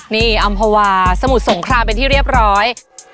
นี่อำภาวาสมุทรสงครามเป็นที่เรียบร้อย